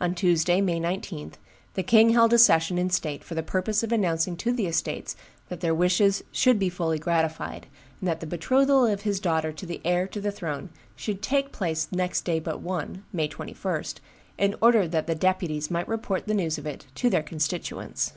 On the Tuesday, May 19, the king held a session in state for the purpose of announcing to the estates that their wishes should be fully gratified, and that the betrothal of his daughter to the heir to the throne should take place next day but one, May 21, in order that the deputies might report the news of it to their constituents.